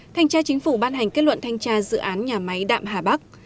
thanh tra chính phủ ban hành kết luận thanh tra dự án nhà máy đạm hà bắc